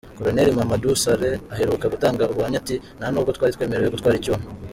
Colonel Mamadou Sarr aheruka gutanga ubuhamya ati “nta nubwo twari twemerewe gutwara icyuma.